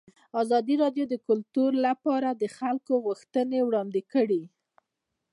ازادي راډیو د کلتور لپاره د خلکو غوښتنې وړاندې کړي.